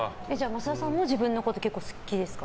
増田さんも自分のこと結構好きですか？